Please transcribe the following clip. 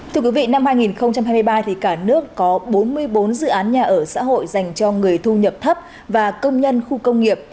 thưa quý vị năm hai nghìn hai mươi ba cả nước có bốn mươi bốn dự án nhà ở xã hội dành cho người thu nhập thấp và công nhân khu công nghiệp